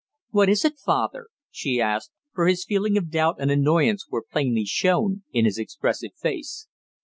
"What is it, father?" she asked, for his feeling of doubt and annoyance was plainly shown in his expressive face.